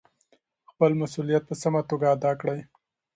خپل مسؤلیت په سمه توګه ادا کړئ.